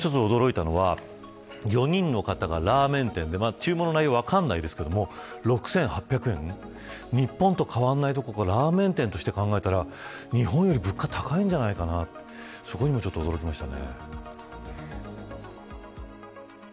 もう一つ、驚いたのは４人の方がラーメン店で注文の内容は分かりませんが６８００円、日本と変わらないどころかラーメン店として考えたら日本より物価が高いんじゃないかなとそこにも驚きました。